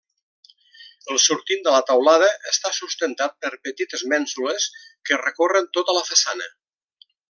El sortint de la teulada està sustentat per petites mènsules que recorren tota la façana.